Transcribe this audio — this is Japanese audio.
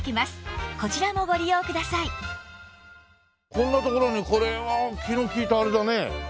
こんな所にこれは気の利いたあれだね。